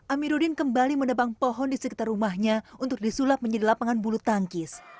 amiruddin kembali menebang pohon di sekitar rumahnya untuk disulap menjadi lapangan bulu tangkis